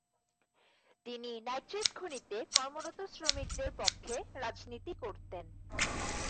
তিনি নাইট্রেট খনিতে কর্মরত শ্রমিকদের পক্ষে রাজনীতি করতেন।